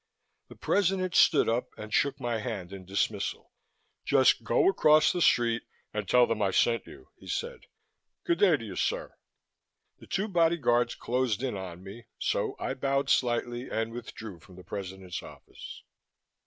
The President stood up and shook my hand in dismissal. "Just go across the street and tell them I sent you," he said. "Good day to you, sir." The two body guards closed in on me, so I bowed slightly and withdrew from the President's office.